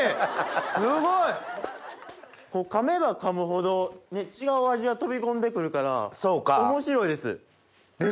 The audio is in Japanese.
すごい！噛めば噛むほど違う味が飛び込んでくるから面白いです。